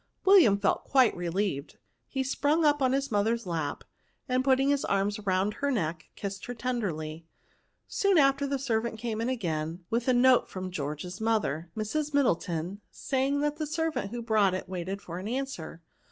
William felt quite relieved; he sprung up on his mother's lap; and putting his arms roimd her neck, kissed her tenderly." Soon after the servant came in again with a note from George's mother, Mrs. Middle ton, saying that the servant who brought it waited for an answer.